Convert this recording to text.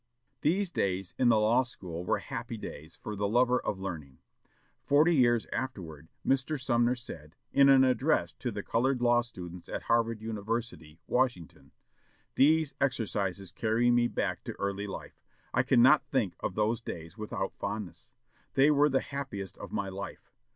These days in the law school were happy days for the lover of learning. Forty years afterward, Mr. Sumner said, in an address to the colored law students of Howard University, Washington, "These exercises carry me back to early life.... I cannot think of those days without fondness. They were the happiest of my life....